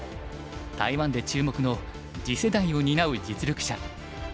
台湾で注目の次世代を担う実力者。